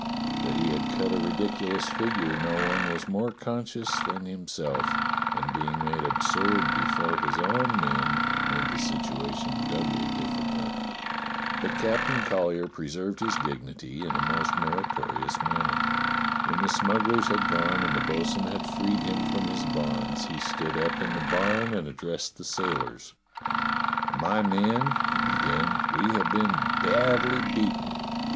That he had cut a ridiculous figure no one was more conscious than himself, and being made absurd before his own men made the situation doubly difficult. But Captain Collyer preserved his dignity in a most meritorious manner. When the smugglers had gone and the bo'sun had freed him from his bonds, he stood up in the barn and addressed the sailors : "My men," he began, "we have been badly beaten.